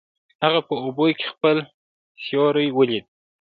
هغه په اوبو کې خپل سیوری ولید.